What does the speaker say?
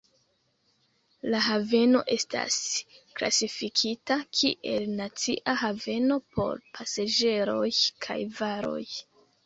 La haveno estas klasifikita kiel nacia haveno por pasaĝeroj kaj varoj.